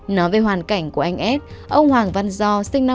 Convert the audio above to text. nói về hoàn cảnh của anh s ông hoàng văn do sinh năm một nghìn chín trăm ba mươi sáu